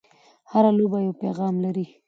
هره لوبه یو پیغام لري.